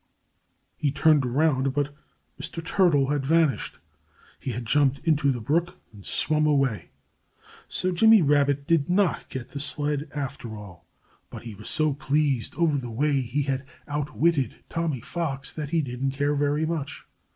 He turned around. But Mr. Turtle had vanished. He had jumped into the brook and swum away. So Jimmy Rabbit did not get the sled after all. But he was so pleased over the way he had outwitted Tommy Fox that he didn't care very much.